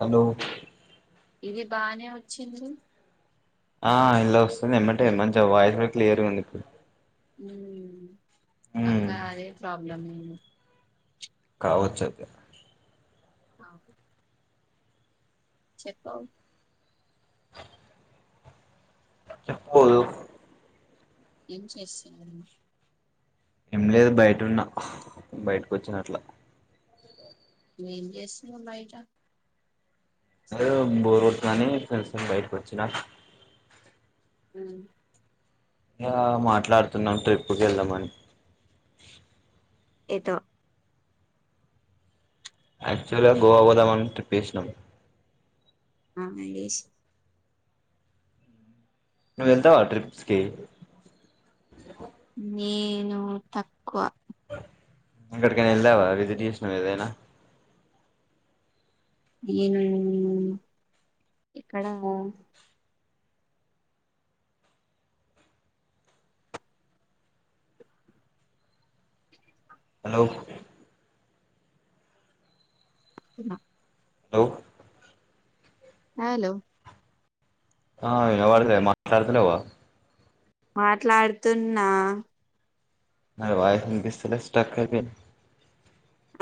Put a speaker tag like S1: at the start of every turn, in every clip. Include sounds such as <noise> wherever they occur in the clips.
S1: Hello
S2: ఇది బానే వచ్చింది.
S1: ఆ ఇండ్ల వస్తుంది ఎమ్మటే మంచి వాయిస్ కూడా క్లియర్గా ఉంది ఇప్పుడు
S2: ఉమ్ అక్క అదే ప్రాబ్లమ్
S1: కావచ్చు
S2: ఆహ్ చెప్పవు
S1: చెప్పులు
S2: ఏం చేస్తున్న
S1: ఏం లేదు బయటున్న బయటకు వచ్చినట్లా
S2: ఏం చేస్తున్నావ్ బయట
S1: ఎదో బోర్ కొడుతుందని ఫ్రెండ్స్ తో బయటకు వచ్చినా
S2: ఉమ్
S1: ఇగ మాట్లాడుతున్నాం ట్రిప్కి వెళ్దామని
S2: ఎదో
S1: ఆక్చువల్గా గోవా పోదామని ట్రిప్పు ఎసినం
S2: స్నానం జేష్
S1: నువ్ వెళ్తావా ట్రిప్స్కి.
S2: నేను తక్వా
S1: ఎక్కడికైనా వెళ్ళావా విజిట్ చేశినవా ఏదైనా
S2: ఏను ఎక్కడ
S1: హలో
S2: తిన్న
S1: హలో
S2: హలో
S1: ఆ వినపడతాలే మాట్లాడుతలేవ
S2: మాట్లాడుతున్నా
S1: మరి వాయిస్ వినిపిస్తలేద్ స్ట్రక్ అయిపోయింది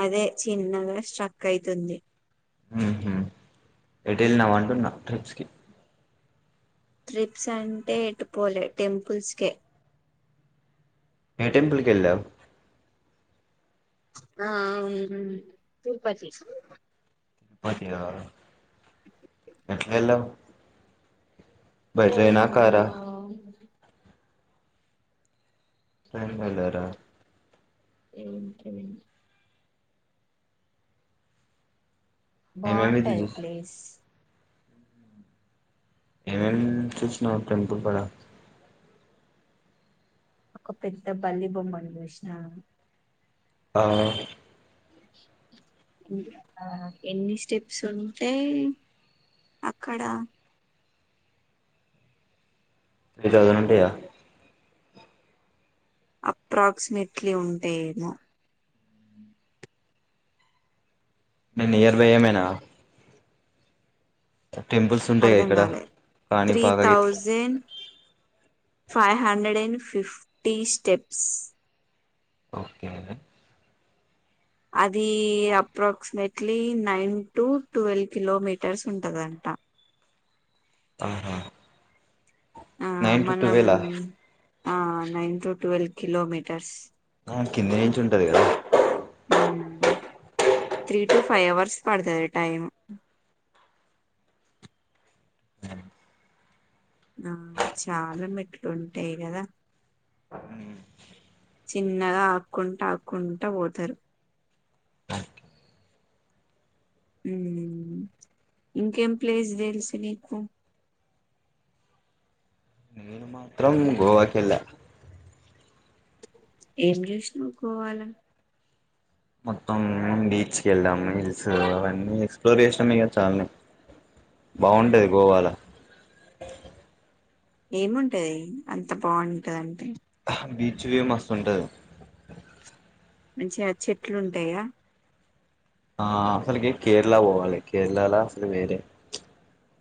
S2: అదే చిన్నగా స్ట్రక్ అయితుంది
S1: హు హ్మ్ ఎటు వెళ్ళినవ్ అంటున్నా ట్రిప్స్ కి
S2: ట్రిప్స్ అంటే ఎటు పోలే టెంపుల్స్ కే
S1: ఏ టెంపుల్ కి ఎళ్ళావ్
S2: ఆ ఆవు నన్ తిరుపతి చూసినా
S1: తిరు పతియా ఎట్లు ఏళ్ళావ్
S2: ట్రైన్లో
S1: ట్రైన్ లో ఏళ్లారా
S2: ఏం కర్రీ
S1: ఏమేమి
S2: బాగుంటాయి
S1: చూస్
S2: ప్లేస్
S1: ఏమేం చూసిన టెంపుల్ కాడ
S2: ఒక పెద్ద బల్లి బొమ్మన్ చూసినా
S1: ఆ
S2: ఎన్ని స్టెప్స్ ఉంటే అక్కడ
S1: త్రీ తౌజెన్ ఉంటాయా
S2: అప్రాక్సిమేట్లీ ఉంటేమో
S1: న నియర్లీ ఏమైనా టెంపుల్స్ ఉంటాయిగా
S2: అర్ధం
S1: ఇక్కడ
S2: కాలే త్రీ
S1: కానీపాకా
S2: thousand five hundred and fifty steps
S1: okay
S2: అది approximately nine to twelve kilometres ఉంటదంట
S1: ఆహా
S2: ఆ
S1: నైన్ టు
S2: మనం
S1: టువెల్ ఆ
S2: ఆ నైన్ టు ట్వెల్వ్ కిలోమీటర్స్
S1: ఆ కింది నించి ఉంటది కదా
S2: త్రీ టు ఫైవ్ అవర్స్ పడతది టైమ్ ఆ చాలా మెట్లు ఉంటాయి కదా. చిన్నగా ఆకుంట ఆకుంట పోతారు. ఉమ్ ఇంకేం ప్లేస్ తెలుసు నీకు
S1: నేను మాత్రం గోవా కెల్లా
S2: ఏం చూసినా గోవాల
S1: మొత్తం బీచ్ కి వెళ్ళాము. హిల్స్ అవన్నీ ఎక్స్ప్లోర్ చేసాం ఇక చాల్లే. బాగుంటది గోవా
S2: ఏముంటది అంత బాగుంటదంటే
S1: బీచ్ ఏ మస్తు ఉంటది.
S2: మంచిగా చెట్లు ఉంటాయా
S1: ఆ అసలుకి కేరళ పోవాలి. కేరళలో అసలు వేరే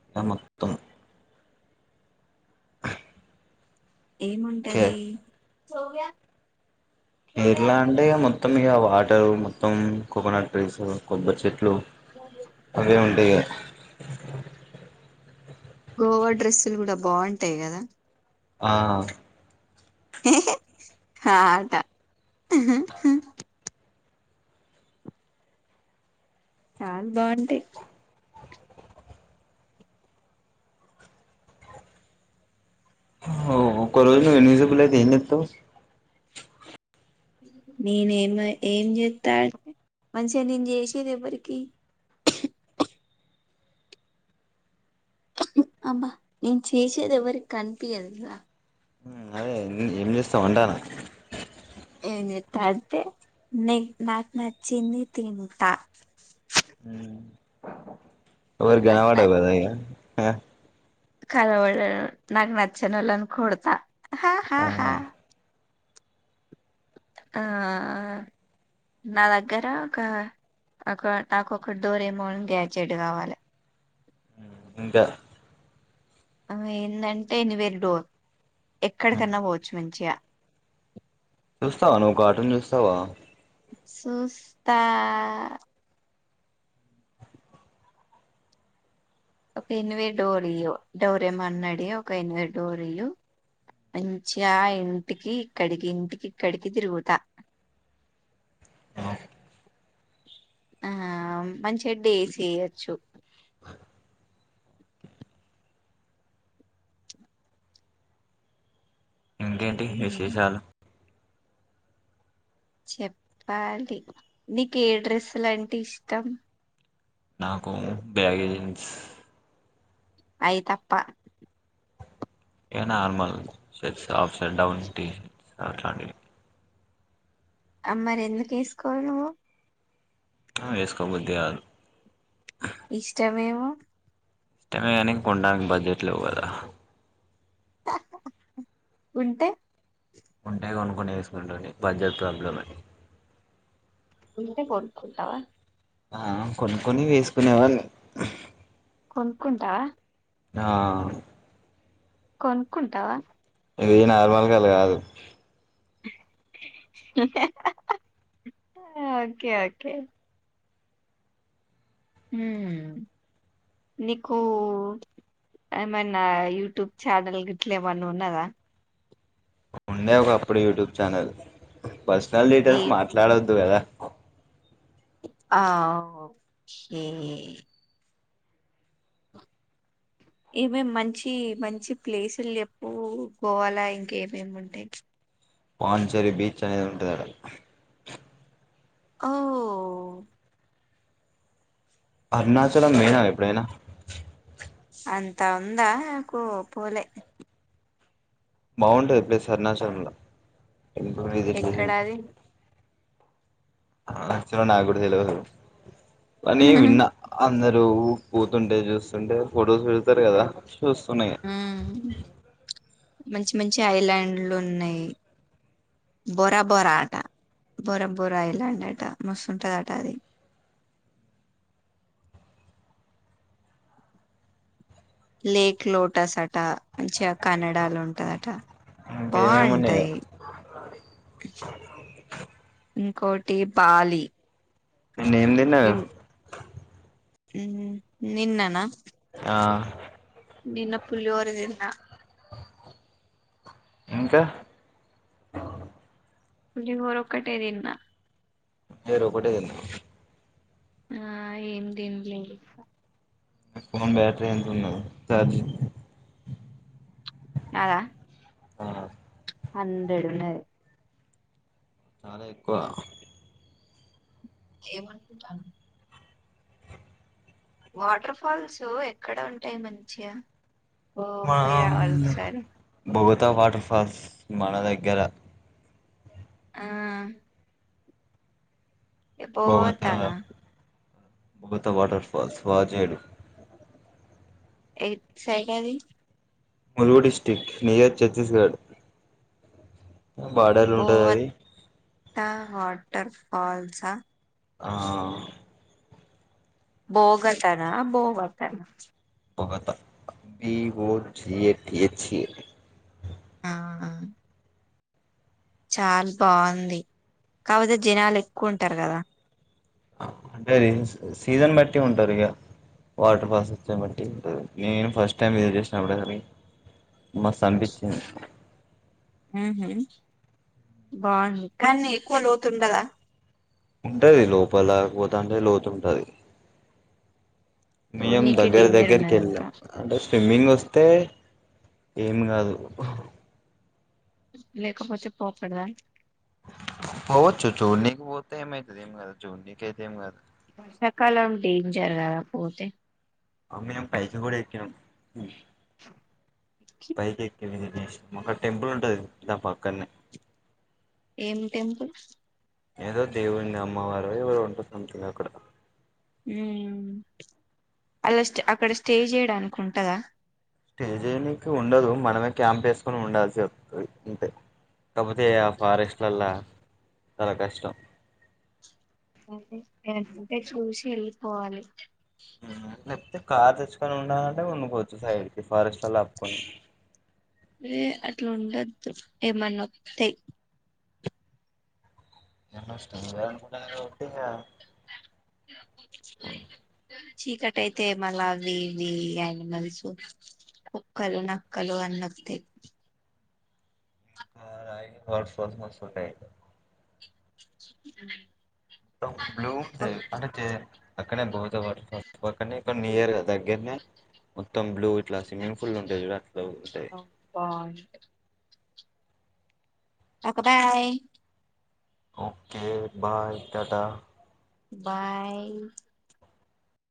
S1: ఈగ మొత్తం. కే
S2: ఏముంటది సోవ్యా
S1: కేరళ అంటే మొత్తం మొత్తం ఇక వాటరు మొత్తం కోకోనట్ డ్రింక్స్ కొబ్బరి చెట్లు అవే ఉంటాయి ఇక
S2: గోవా డ్రెస్సులు కూడా బాగుంటాయి కదా
S1: ఆ
S2: హ హా హాట హా చాల బాగుంటాయి
S1: ఒక్కోరోజు నువ్వు ఎన్జబులయితే ఏం చేతవ్
S2: నేనేమ ఏం చేస్తా అంటే మంచిగా నేను చేసేది ఎవరికి అబ నేను చేసేది ఎవరికి కనిపియదుగా
S1: అదే ఏం చేస్తావు అంటనా
S2: ఏం చేత్తా అంటే నె నాకు నచ్చింది తింటా.
S1: హ్మ్ ఎవరికి
S2: నాకు
S1: కనపడవు కాదా ఈగ ఆ
S2: కనబడనను నాకు నచ్చనోళ్లను కొడతా ఆహా హా హ
S1: ఆ
S2: ఆ నా దగ్గర ఒక ఒక నాకు ఒక డోర్ మోన్ గ్యాచెడ్ కావాలె
S1: ఇంకా
S2: అ ఏందటే ని వేరు డోర్ ఎక్కడికన్నా పోవచ్చు మంచిగా
S1: చూస్తావా నువ్వు కార్టూన్ చూస్తావా
S2: చూస్తా ఒకె నువె డోర్ తీయవు డోరేమాన్ అడిగి, ఒక ఎన్వే డోరియు మంచిగా ఇంటికి, ఇక్కడికి, ఇంటికి, ఇక్కడికి తిరుగుతా.
S1: ఆ
S2: ఆ మంచి చెడ్డి చెయొచ్చు
S1: ఇంకేంటి
S2: ఉమ్
S1: విశేషాలు
S2: చెప్పాలి నీకు ఏ డ్రెస్సులంటే ఇష్టం
S1: నాకు బ్యాగే జీన్స్
S2: అయి తప్ప
S1: ఏ normal shirts ups and down టీ అట్లాగె
S2: అ మరి ఎందుకు ఏసుకోవాలి నువ్వు
S1: ఏస్కో బుద్ధి కాదు
S2: ఇష్టమేమో
S1: ఇష్టమే కానీ కొండానికి బడ్జెట్లు లేవుకదా
S2: ఉంటే
S1: ఉంటే కొనుక్కొని వేసుకునేటోన్ని బడ్జెట్ ప్రాబ్లమే
S2: ఉంటే కొనుకుంటావా
S1: ఆ కొనుక్కొని వేసుకునేవాని
S2: కొనుక్కుంటావా
S1: ఆ
S2: కొనుక్కుంటావా
S1: ఇది నార్మల్ గాదు
S2: హా ఓకే ఓకే మ్ నీకు ఏమైనా యూట్యూబ్ ఛానల్ గీట్లా ఏమన్న ఉన్నదా
S1: ఉండే ఒక అప్పుడు యూట్యూబ్ ఛానల్ పర్సనల్
S2: ఏ
S1: డీటెయిల్స్ మాట్లాడొద్దు కదా
S2: ఆ ఓక ఏవేమి మంచి మంచి ప్లేసులు ఎప్పు గోవాల ఇంకా ఏమేమి ఉంటాయి
S1: పాంచచెరీ బీచ్ అనేది ఉంటది అడా
S2: ఓ
S1: అరుణాచలం పొయినవా ఎప్పుడైనా
S2: అంతా ఉందా కు పోలే
S1: బాగుంటది ప్లేస్ అరుణాచలంల <unintelligible> ఎదిట్
S2: ఎక్కడది
S1: అ చ్చ నాకూడా తెలవదు అని విన్నా అందరు ఊ పోతుంటే చూస్తుంటే ఫొటోస్ పెడతారు కదా చూస్తున్నాయి
S2: మ్ మంచి మంచి ఐలాండ్లు ఉన్నాయి బోరా బోరా అట బోరా బోరా ఐలాండ్ అట మస్తుంటదట అది లేక్ లోటాస్ అటా మంచిగా కనడాలో ఉంటందట
S1: ఇంకా ఏమేమి ఉన్నాయో
S2: బాగుంటాయి ఇంకోటి బాలి
S1: నిన్న ఏం తిన్నవే
S2: ఇన్ నిన్ననా
S1: ఆ
S2: నిన్న పులిహోర తిన్నా
S1: ఇంకా
S2: పులిహోర ఒక్కటే తిన్నా
S1: పులిహోర ఒకటె తిన్నవా
S2: ఆ ఏం తిన్లేదు
S1: ఫోన్ బ్యాటరీ ఎంత ఉన్నది ఛార్జింగ్
S2: నాదా హండ్రెడ్ ఉన్నది
S1: చాలా ఎక్కువ
S2: ఏ మనుకుంటన్నావ్ వాటర్ ఫాల్స్ ఎక్కడ ఉంటాయి మంచిగా ఓ
S1: మా
S2: పోయి రావాలి ఒకసారి
S1: బత్ కొత్త వాటర్ఫాల్స్ మన దగ్గర
S2: ఆ పో తానా
S1: భూత వాటర్ ఫాల్స్ వా చేేడు
S2: ఏ సైకాది
S1: మురుగు డిస్ట్రిక్ట్ నేజర్ ఛత్తీస్గఢ్ బార్డలు ఉంటది అది
S2: త వాటర్ ఫాల్స సా
S1: ఆ
S2: భోగటనా భోవతన
S1: Bogatha B, O, T, H, A
S2: ఆ చాల బాగుంది కాకపోతే జనాలు ఎక్కువ ఉంటారు కదా
S1: అంటేది సీజన్ బట్టి ఉంటారు ఇక వాటర్ ఫాల్స్ వచ్చా బట్టి నేను ఫస్ట్ టైం విజిట్ చేసినప్పుడు కానీ మస్తు అంపించింది
S2: ఊహు బాగుంది కానీ ఎక్కువ లోతుండదా
S1: ఉంటది లోపల లేకపోత అంటే లోతు ఉంటది మేం
S2: చూడ్నీకే
S1: దగ్గర
S2: డేంజర్
S1: దగ్గరకెళ్ళాం
S2: ఉన్నదంతా
S1: అంటే స్విమ్మింగ్ వస్త అంతే ఏమి కాదు
S2: లేకపోతే పోకుడదా
S1: పోచ్చు చునీకి పోతే ఏమైతది ఏం కాదు చూనీకైతే ఎమ్ కాదు
S2: వర్షాకాలం డేంజర్ కదా పోతే
S1: అమ్మినం పైసలు కూడా ఎక్కినం హు పైకెక్కి విజిల్ ఒక టెంపుల్ ఉంటది దాని పక్కనే
S2: ఏం టెంపుల్
S1: ఏదో దేవుంది అమ్మవారు ఎవరు ఉంటారు సంథింగ్ అక్కడ
S2: హ్మ్ అలా స్టే అక్కడ స్టే చేయడానికి ఉంటదా
S1: స్టేజేనికి ఉండదు మనమే క్యాంప్ వేసుకొని ఉండాల్సి వస్తుంది అంతే కాకపోతే ఆ ఫారెస్ట్లల్లా చాలా కష్టం.
S2: ఏమైనా ఉంటే చూసి ఎళ్ళిపోవాలి
S1: అయితే కార్ తెచ్చుకొని ఉండాలంటే ఉండు కోవచ్చు సైడ్ కు ఫారెస్ట్లల్ల అప్పుకుని
S2: ఏ అట్లా ఉండద్దు ఏమన్నా ఒత్తయి
S1: ఏమొస్తే నువ్వే అనుకుంటానువు రో ఇగా
S2: చీకటయితే మల్ల అవి ఇవి అనిమల్స్ కుక్కలు నక్కలు అన్ని ఒత్తయి.
S1: <inaudible> వాటికోసం వస్తుంటాయి బ్లూ ఉంటాయి
S2: ఓకే
S1: అంటే చే అక్కడ బౌత వాటర్ ఫాల్స్ పక్కనే ఇ నియర్ దగ్గర్నే మొత్తం బ్లూ ఇట్లా స్విమ్మింగ్ ఫుల్ ఉంటయి చూడ్
S2: అబ్బా okay bye
S1: okay bye tata
S2: bye